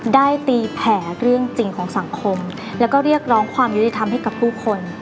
ได้ตีแผ่เรื่องจริงของสังคมแล้วก็เรียกร้องความยุติธรรมให้กับผู้คน